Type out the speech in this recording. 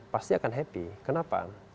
pasti akan happy kenapa